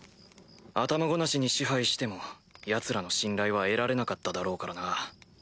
頭ごなしに支配してもヤツらの信頼は得られなかっただろうからな。